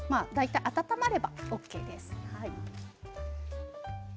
温まればＯＫです。